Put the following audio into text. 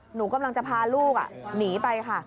หนูกำลังจะพาลูกหนีไปค่ะ